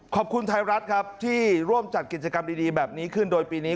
ขอบคุณไทยรัฐครับที่ร่วมจัดกิจกรรมดีแบบนี้ขึ้นโดยปีนี้